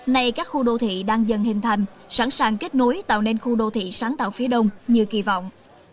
nay các khu đô thị đang dần hình thành sẵn sàng kết nối tạo nên khu đô thị sáng tạo phía đông như kỳ vọng